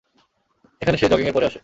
এখানে সে জগিংয়ের পরে আসে।